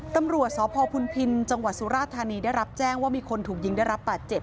ตำรวจสพพุนพินจังหวัดสุราธานีได้รับแจ้งว่ามีคนถูกยิงได้รับบาดเจ็บ